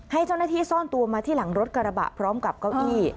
ให้เจ้าหน้าที่ซ่อนตัวมาที่หลังรถกระบะพร้อมกับเก้าอี้